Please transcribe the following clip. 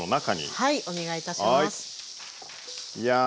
はい。